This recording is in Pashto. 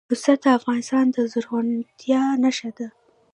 پسه د افغانستان د زرغونتیا نښه ده.